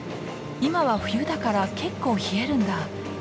今は冬だから結構冷えるんだ。